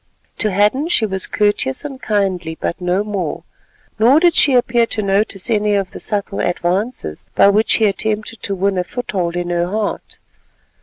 To Hadden she was courteous and kindly but no more, nor did she appear to notice any of the subtle advances by which he attempted to win a foothold in her heart.